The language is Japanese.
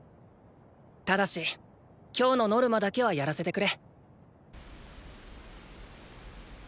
ただし今日のノルマだけはやらせてくれ。